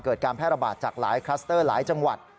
การแพร่ระบาดจากหลายคลัสเตอร์หลายจังหวัด